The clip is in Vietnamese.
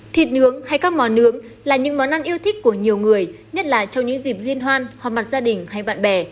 thịt nướng hay các mò nướng là những món ăn yêu thích của nhiều người nhất là trong những dịp liên hoan hòa mặt gia đình hay bạn bè